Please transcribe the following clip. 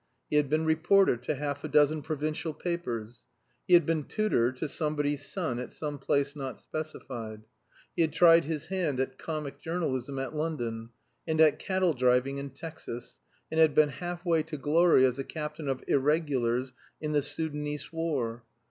He had been reporter to half a dozen provincial papers. He had been tutor to Somebody's son at some place not specified. He had tried his hand at comic journalism in London and at cattle driving in Texas, and had been half way to glory as a captain of irregulars in the Soudanese war.